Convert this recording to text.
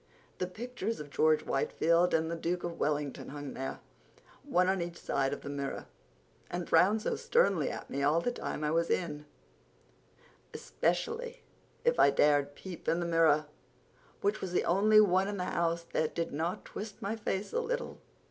The pictures of George Whitefield and the Duke of Wellington hung there, one on each side of the mirror, and frowned so sternly at me all the time I was in, especially if I dared peep in the mirror, which was the only one in the house that didn't twist my face a little.